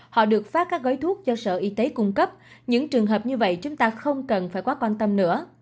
họ được phát các gói thuốc do sở y tế cung cấp những trường hợp như vậy chúng ta không cần phải quá quan tâm nữa